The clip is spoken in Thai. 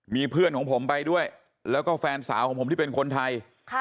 มีเพื่อนของผมไปด้วยแล้วก็แฟนสาวของผมที่เป็นคนไทย